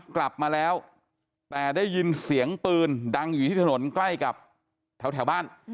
กลับมาแล้วแต่ได้ยินเสียงปืนดังอยู่ที่ถนนใกล้กับแถวบ้าน